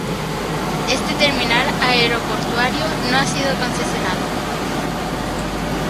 Este terminal aeroportuario no ha sido concesionado.